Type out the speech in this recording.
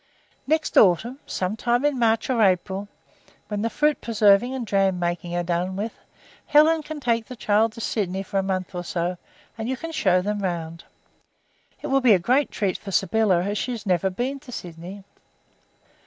Next autumn, some time in March or April, when the fruit preserving and jam making are done with, Helen can take the child to Sydney for a month or so, and you can show them round. It will be a great treat for Sybylla as she has never been in Sydney."